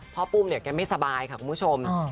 ปุ้มเนี่ยแกไม่สบายค่ะคุณผู้ชม